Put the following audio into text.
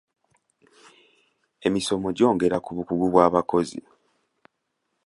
Emismo gyongera ku bukugu bw'abakozi.